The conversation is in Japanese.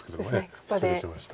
失礼しました。